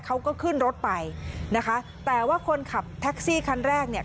เขาก็ขึ้นรถไปนะคะแต่ว่าคนขับแท็กซี่คันแรกเนี่ย